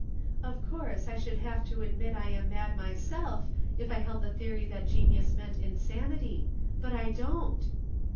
"Of course I should have to admit I am mad myself if I held the theory that genius meant insanity. But I don't."